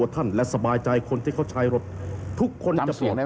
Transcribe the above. จำเสียงได้ไหม